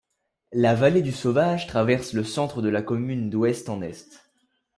La vallée du Sauvage traverse le centre de la commune d'ouest en est.